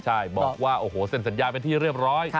ใช่บอกว่าโอ้โหเซ็นสัญญาเป็นที่เรียบร้อย